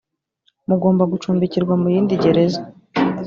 mugomba gucumbikirwa mu yindi gereza.